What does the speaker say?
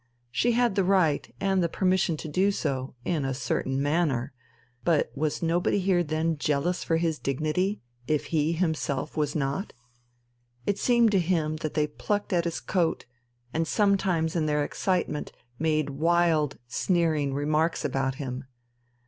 She had the right and the permission to do so, in a certain manner, but was nobody here then jealous for his dignity, if he himself was not? It seemed to him that they plucked at his coat, and sometimes in their excitement made wild, sneering remarks about him.